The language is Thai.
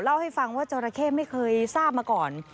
เล่าให้ฟังว่าจราเข้ไม่เคยทราบมาก่อน